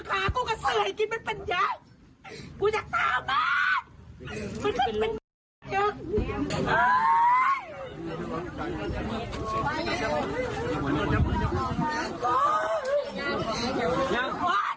กูอยากถามมั้ง